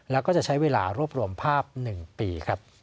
แล้วก็จะใช้เวลารวบรวมภาพ๑ปี